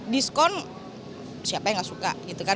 diskon siapa yang gak suka gitu kan